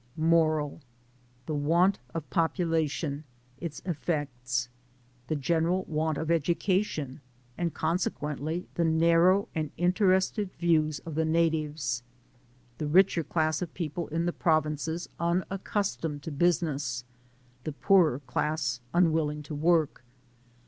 MORAL. The want c^ population — its effects. The gene« ral want of education, and consequently the narrow and interested views of the natives.— The richer class of people in the provinces unaccustomed to business. — The poorer class unwilling to work.